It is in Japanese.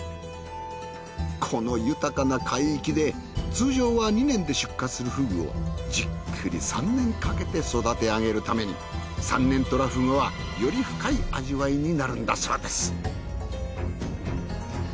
この豊かな海域で通常は２年で出荷するふぐをじっくり３年かけて育て上げるために３年とらふぐはより深い味わいになるんだそうです。